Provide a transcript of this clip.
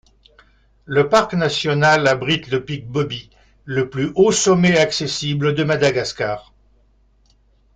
Le parc national abrite le pic Boby, le plus haut sommet accessible de Madagascar.